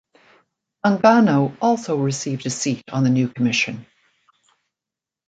Mangano also received a seat on the new Commission.